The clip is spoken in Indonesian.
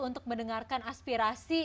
untuk mendengarkan aspirasi